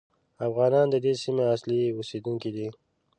افغانان د دې سیمې اصلي اوسېدونکي دي.